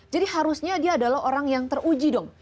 jadi harusnya dia adalah orang yang teruji dong